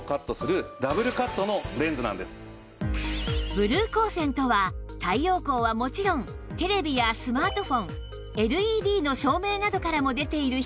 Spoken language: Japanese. ブルー光線とは太陽光はもちろんテレビやスマートフォン ＬＥＤ の照明などからも出ている光